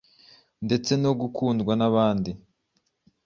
ndetse no gukundwa nabandi